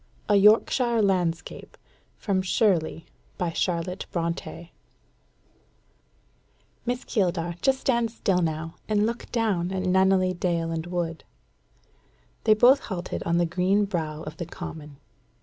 A YORKSHIRE LANDSCAPE From 'Shirley' "Miss Keeldar, just stand still now, and look down at Nunneley dale and wood." They both halted on the green brow of the Common.